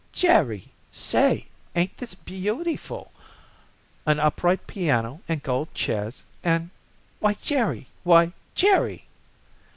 "Jerry! Say, ain't this beau tiful! A upright piano and gold, chairs and Why, Jerry! why, Jerry!"